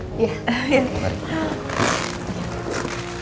makasih mbak jen